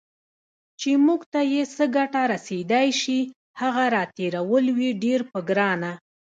چې موږ ته یې څه ګټه رسېدای شي، هغه راتېرول وي ډیر په ګرانه